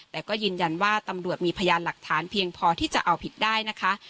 แต่ก็ยืนยันว่าตำรวจมีพยานหลักฐานเพียงพอที่จะเอาผิดได้นะคะ